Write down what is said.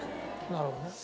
なるほどね。